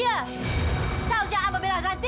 saya tahu saya memilih ranti